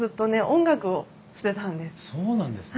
音楽をしてたんです。